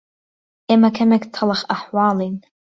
ئێمه کەمێک تهڵخ ئهحواڵين